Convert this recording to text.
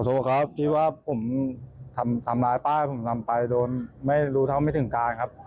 โทษครับคิดว่าผมทำร้ายป้าให้ผมทำไปโดนไม่รู้เท่าไม่ถึงการครับ